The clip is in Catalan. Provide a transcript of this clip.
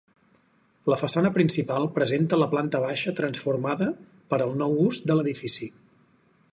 La façana principal presenta la planta baixa transformada per al nou ús de l'edifici.